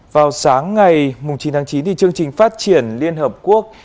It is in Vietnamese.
vào sáng ngày chín tháng chín chương trình phát triển liên hợp quốc